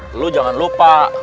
lalu jangan lupa